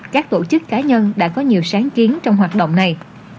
các tổ chức cá nhân đã có nhiều sáng kiến trong hoạt động này